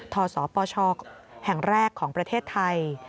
ทศปชแห่งแรกของประเทศไทย